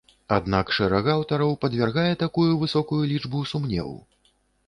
Аднак шэраг аўтараў падвяргае такую высокую лічбу сумневу.